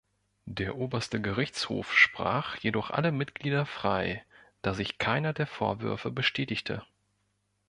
Der Oberste Gerichtshof sprach jedoch alle Mitglieder frei, da sich keiner der Vorwürfe bestätigte.